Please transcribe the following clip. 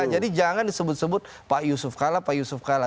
jadi jangan disebut sebut pak yusuf kalla pak yusuf kalla